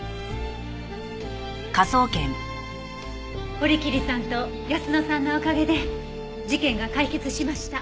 堀切さんと泰乃さんのおかげで事件が解決しました。